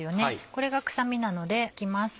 これが臭みなので拭きます。